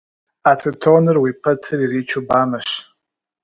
Ацетоныр уи пэцыр иричу бамэщ.